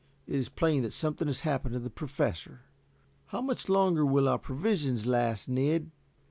It is plain that something has happened to the Professor. How much longer will our provisions last, Ned?"